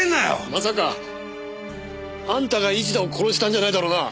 まさかあんたが市田を殺したんじゃないだろうな？